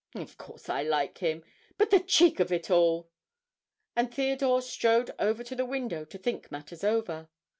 "Of course I like him, but the cheek of it all," and Theodore strode over to the window to think matters over.